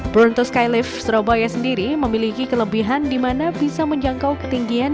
bronto skylift surabaya sendiri memiliki kelebihan di mana bisa menjangkau ketinggian